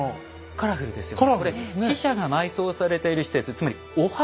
カラフルですね。